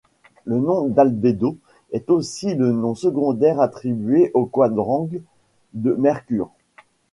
Le nom d'albédo est aussi le nom secondaire attribué aux quadrangles de Mercure.